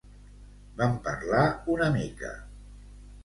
Vam parlar una mica.